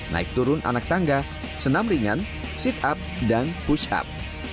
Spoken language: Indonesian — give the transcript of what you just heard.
naik turun anak tangga senam ringan sit up dan push up